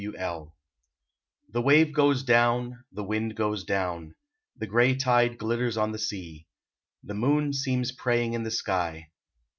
W. L. The wave goes down, the wind goes down, The gray tide glitters on the sea, The moon seems praying in the sky.